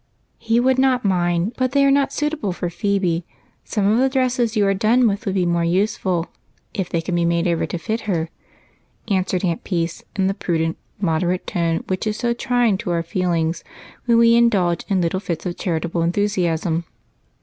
" He would not mind ; but they are not suitable for Phebe. Some of the dresses you are done with would be more useful, if they can be made over to fit her," answered Aunt Peace in the prudent, moderate tone which is so trying to our feelings when we indulge in little fits of charitable enthusiasm.